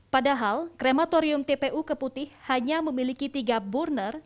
padahal krematorium tpu keputih hanya memiliki tiga borner